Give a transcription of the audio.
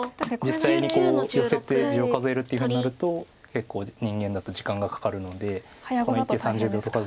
実際にヨセて地を数えるっていうふうになると結構人間だと時間がかかるので１手３０秒とかだと結構大変です。